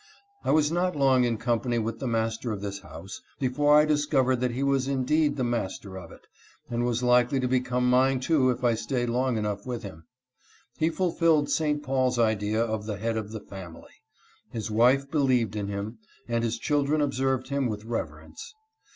I was not long in company with the master of this house before I discovered that he was indeed the master of it, and was likely to become mine too if I stayed long enough with him. He fulfilled St. Paul's idea of the head of the family. His wife believed in him, and his children observed him with reverence.